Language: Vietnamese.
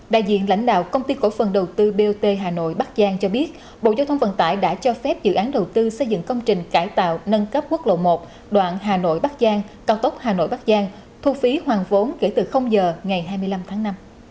đại diện lãnh đạo công ty cổ phần đầu tư bot hà nội bắc giang cho biết bộ giao thông vận tải đã cho phép dự án đầu tư xây dựng công trình cải tạo nâng cấp quốc lộ một đoạn hà nội bắc giang cao tốc hà nội bắc giang thu phí hoàn vốn kể từ giờ ngày hai mươi năm tháng năm